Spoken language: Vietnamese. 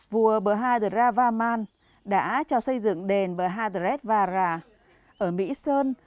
vua bhadravarman đã cho xây dựng đền bhadradvara ở mỹ sơn